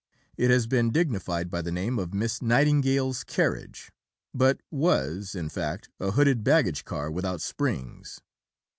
It has been dignified by the name of "Miss Nightingale's Carriage," but was, in fact, a hooded baggage car without springs.